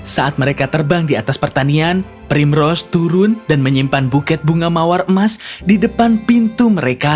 saat mereka terbang di atas pertanian primrose turun dan menyimpan buket bunga mawar emas di depan pintu mereka